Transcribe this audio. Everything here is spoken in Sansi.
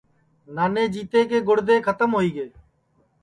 نانے راجیئے کے گُردے کھتم ہوئی گے